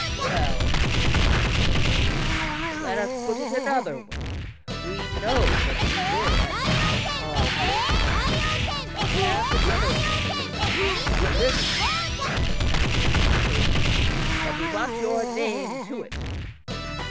"Well," said Wade, "let us put it another way. We know that you were at Speke Hall, Blainscow, and other places. I have a list here," and he tapped the table, "but we want your name to it."